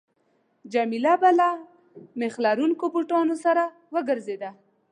جميله به له میخ لرونکو بوټانو سره ګرځېده.